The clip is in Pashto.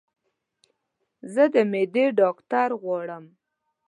زه د معدي ډاکټر غواړم